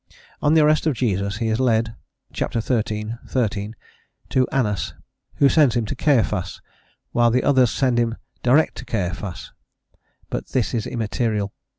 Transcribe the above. On the arrest of Jesus, he is led (ch. xviii. 13) to Annas, who sends him to Caiaphas, while the others send him direct to Caiaphas, but this is immaterial.